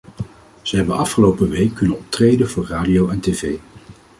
Ze hebben afgelopen week kunnen optreden voor radio en tv.